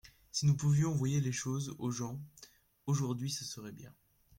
Si nous pouvions envoyer les choses aux gens aujourd’hui ce serait bien.